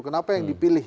kenapa yang dipilih